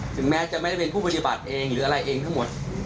ถึงแม้จะไม่ได้เป็นผู้ปฏิบัติเองหรืออะไรเองทั้งหมด